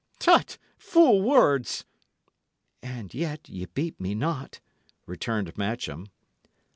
Tut! fool words!" "And yet ye beat me not," returned Matcham.